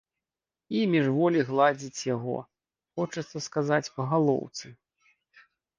І міжволі гладзіць яго, хочацца сказаць, па галоўцы.